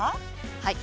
はい。